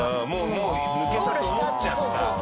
もう抜けたと思っちゃった？